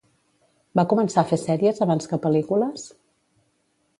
Va començar a fer sèries abans que pel·lícules?